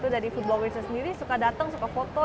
dari food bloggersnya sendiri suka dateng suka foto